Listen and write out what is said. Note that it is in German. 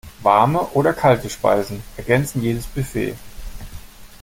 Warme oder kalte Speisen ergänzen jedes Buffet.